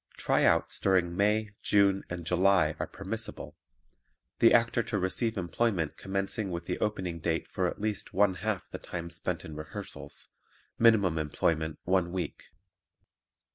"Tryouts" during May, June and July are permissible; the actor to receive employment commencing with the opening date for at least one half the time spent in rehearsals; minimum employment one week.